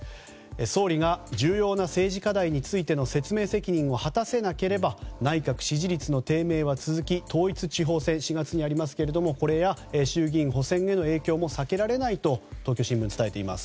総理が重要な政治課題についての説明責任を果たせなければ内閣支持率の低迷は続き統一地方選、４月にありますがこれや衆議院補選への影響も避けられないと東京新聞は伝えています。